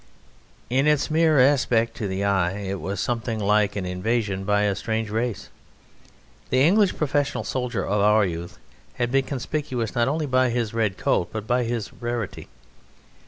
In its mere aspect to the eye it was something like an invasion by a strange race. The English professional soldier of our youth had been conspicuous not only by his red coat but by his rarity.